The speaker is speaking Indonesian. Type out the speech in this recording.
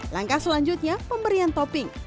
langkah selanjutnya pemberian topping